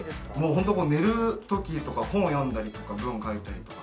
本当、寝るときとか、本を読んだりとか、文を書いたりとか。